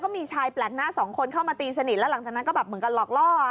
มีชายแปลกหน้าสองคนเข้ามาตีสนิทแล้วหลังจากนั้นก็แบบเหมือนกันหลอกล่อ